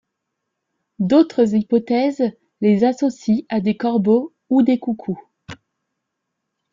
D’autres hypothèses les associent à des corbeaux ou des coucous.